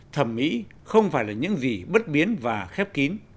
thẩm mỹ không phải là những gì bất biến và khép kín